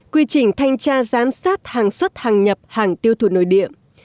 quy trình thanh tra giám sát hàng xuất hàng nhập hàng tiêu thụ nội địa